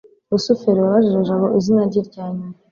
rusufero yabajije jabo izina rye ryanyuma